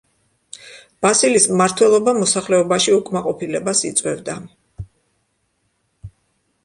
ბასილის მმართველობა მოსახლეობაში უკმაყოფილებას იწვევდა.